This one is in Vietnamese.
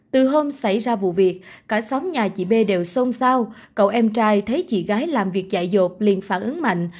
từ hôm xảy ra vụ việc cả xóm nhà chị b đều xôn xao cậu em trai thấy chị gái làm việc chạy dộp liền phản ứng mạnh